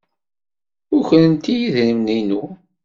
Ukrent-iyi idrimen-inu.